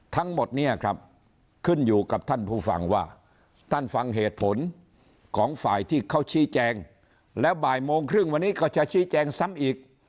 ทั้งหมดเนี่ยครับขึ้นอยู่กับท่านผู้ฟังว่าท่านฟังเหตุผลของฝ่ายที่เขาชี้แจงแล้วบ่ายโมงครึ่งวันนี้ก็จะชี้แจงซ้ำอีก